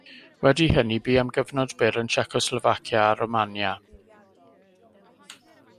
Wedi hynny bu am gyfnod byr yn Tsiecoslofacia a Rwmania.